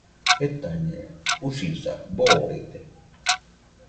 Jetañeno, usisa boorede.